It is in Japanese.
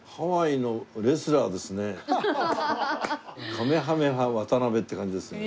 カメハメハ渡辺って感じですね。